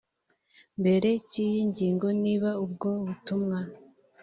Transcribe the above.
mbere cy iyi ngingo niba ubwo butumwa